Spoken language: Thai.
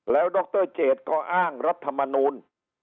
แล้วดรเจดก็อ้างรัฐมนูล